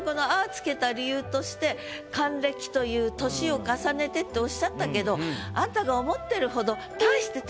つけた理由として「還暦という年を重ねて」っておっしゃったけどあんたが思ってるほど。